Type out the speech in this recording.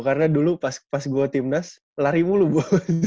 karena dulu pas gue timnas lari mulu bu